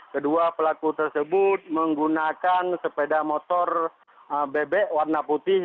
kedua pelaku tersebut menggunakan sepeda motor bebek warna putih